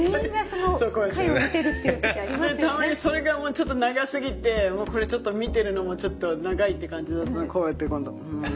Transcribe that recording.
みんなそうみんなたまにそれがもうちょっと長すぎてもうこれちょっと見てるのもちょっと長いって感じだとこうやって今度うん。